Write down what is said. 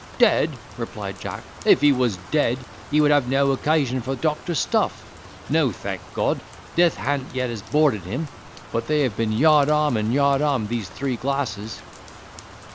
"Dead!" replied Jack; "if he was dead, he would have no occasion for doctor's stuff. No, thank God, death han't as yet boarded him. But they have been yard arm and yard arm these three glasses."